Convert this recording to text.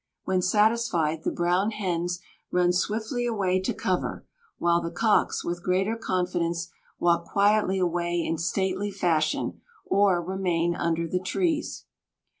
When satisfied, the brown hens run swiftly away to cover, while the cocks, with greater confidence, walk quietly away in stately fashion, or remain under the trees.